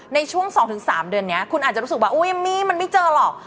ในช่วง๒๓เดือนนี้คุณอาจจะรู้สึกว่าอุ๊ยมมี่มันไม่เจอหรอก